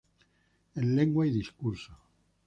En Lengua y discurso.